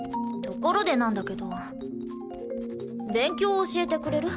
ところでなんだけど勉強教えてくれる？